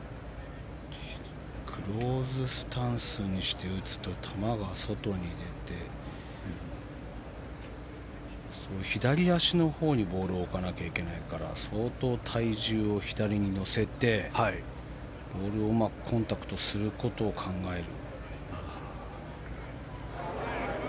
クローズスタンスにして打つと球は外に出て左足のほうにボールをかけなきゃいけないから体重を乗せてボールをうまくコントロールすることを考える。